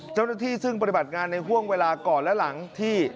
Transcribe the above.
เจ้าหน้าที่ซึ่งปฏิบัติงานในห่วงเวลาก่อนและหลังที่